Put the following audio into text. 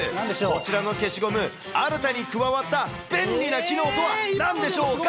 こちらの消しゴム、新たに加わった便利な機能とはなんでしょうか？